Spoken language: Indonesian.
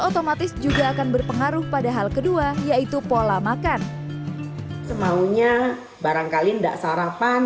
otomatis juga akan berpengaruh pada hal kedua yaitu pola makan semaunya barangkali enggak sarapan